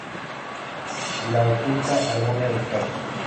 La Oculta Armonía del Caos".